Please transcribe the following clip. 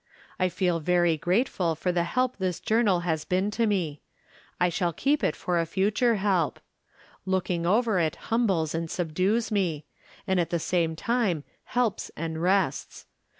I feel very grateful for the help this Journal has been to me. I shall 364 From Different Standpoints. keep it for a future help. Looking oyer it hum bles and subdues me, and at the same time helps and rests.